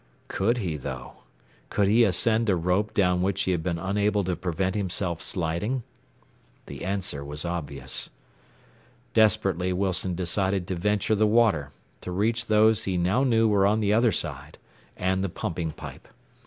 Could he, though? Could he ascend a rope down which he had been unable to prevent himself sliding? The answer was obvious. Desperately Wilson decided to venture the water, to reach those he now knew were on the other side, and the pumping pipe.